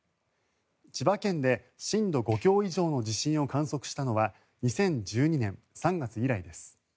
千葉県で震度５強以上の地震を観測したのは２０１２年３月以来です。